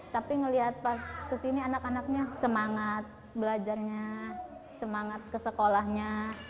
tapi melihat pas ke sini anak anaknya semangat belajarnya semangat ke sekolahnya